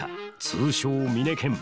通称ミネケン。